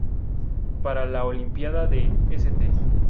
Para la Olimpiada de St.